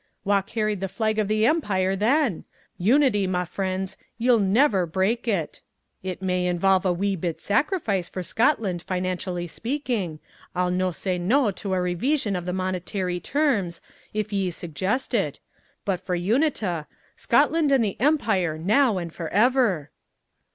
Wha carried the flag of the Empire then? Unity, ma friends, ye'll never break it. It may involve a wee bit sacrifice for Scotland financially speaking. I'll no say no to a reveesion of the monetairy terms, if ye suggest it, but for unita Scotland and the Empire, now and forever!"